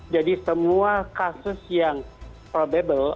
jadi semua kasus yang probable